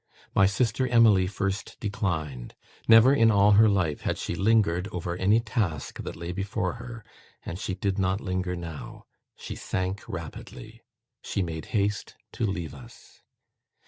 My sister Emily first declined. ... Never in all her life had she lingered over any task that lay before her, and she did not linger now. She sank rapidly. She made haste to leave us.